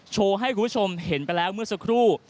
โชว์ให้คุณผู้ชมเห็นไปแล้วเมื่อสักครู่